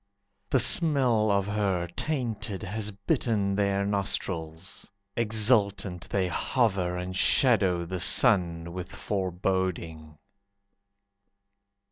The smell of her, tainted, Has bitten their nostrils. Exultant they hover, And shadow the sun with Foreboding.